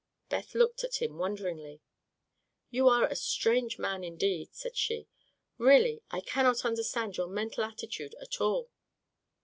Beth looked at him wonderingly. "You are a strange man, indeed," said she. "Really, I cannot understand your mental attitude at all."